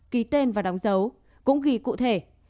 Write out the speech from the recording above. ký tên và đóng dấu cũng ghi cụ thể